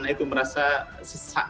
itu merasa sesak